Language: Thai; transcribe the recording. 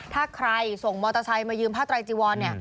ถ้าใครส่งมอเตอร์ชัยมายืมผ้าตรายจิวร